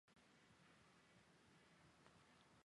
为应对输入性风险增加的实际